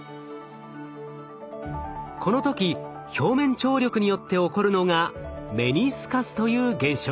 この時表面張力によって起こるのがメニスカスという現象。